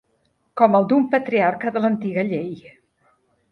Com el d'un patriarca de l'antiga llei